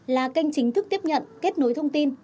là kênh chính thức tiếp nhận kết nối thông tin